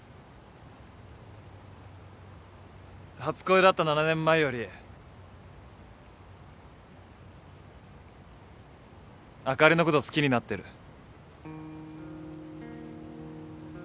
初恋だった７年前よりあかりのこと好きになってる。